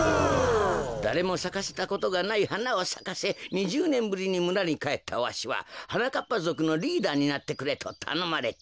だれもさかせたことがないはなをさかせ２０ねんぶりにむらにかえったわしははなかっぱぞくのリーダーになってくれとたのまれた。